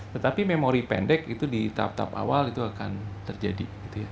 tetapi memori pendek itu di tahap tahap awal itu akan terjadi